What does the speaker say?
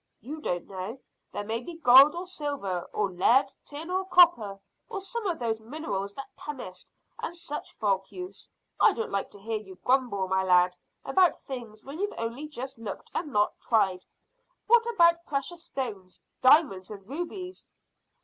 "You don't know. There may be gold or silver or lead, tin or copper, or some of those minerals that chemists and such folk use. I don't like to hear you grumble, my lad, about things when you've only just looked and not tried. What about precious stones diamonds and rubies?"